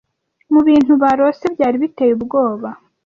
mubintu barose byari biteye ubwoba